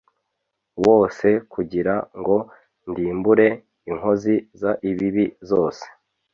bose kugira ngo ndimbure inkozi z ibibi zose